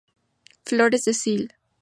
Flores del Sil.